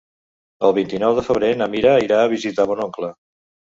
El vint-i-nou de febrer na Mira irà a visitar mon oncle.